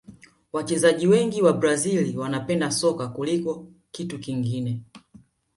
wachezaji wengi wa brazil wanapenda soka kuliko kitu kingine